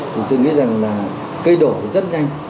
thì tôi nghĩ rằng là cây đổ rất nhanh